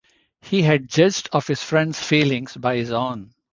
He had judged of his friend’s feelings by his own.